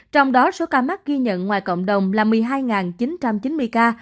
trong đó số ca mắc ghi nhận ngoài cộng đồng là một mươi hai chín trăm chín mươi ca